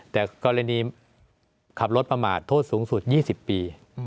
แต่กรณีขับรถประมาทโทษสูงสุด๒๐ปี